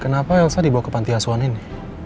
kenapa elsa dibawa ke pantiasuhan ini